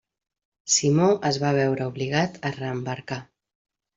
Simó es va veure obligat a reembarcar.